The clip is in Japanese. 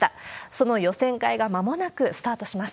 その予選会がまもなくスタートします。